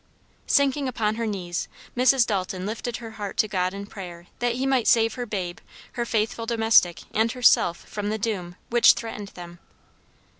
Sinking upon her knees Mrs. Dalton lifted her heart to God in prayer that he might save her babe, her faithful domestic and herself from the doom which, threatened them.